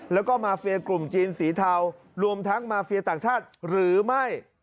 แล้วก็มาเฟียกลุ่มจีนสีเทารวมทั้งมาเฟียต่างชาติหรือไม่